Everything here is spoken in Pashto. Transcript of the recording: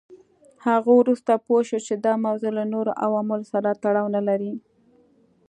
هغه وروسته پوه شو چې دا موضوع له نورو عواملو سره تړاو نه لري.